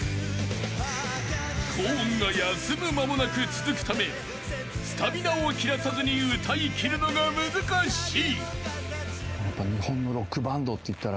［高音が休む間もなく続くためスタミナを切らさずに歌いきるのが難しい］